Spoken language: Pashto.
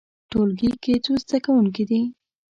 ټولګی کې څو زده کوونکي دي؟